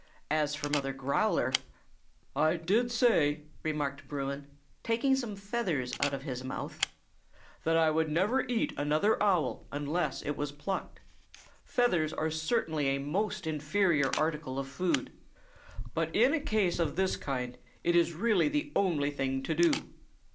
As for Mother Growler— "I did say," remarked Bruin, taking some feathers out of his mouth, "that I never would eat another owl unless it was plucked. Feathers are certainly a most inferior article of food; but in a case of this kind it is really the only thing to do.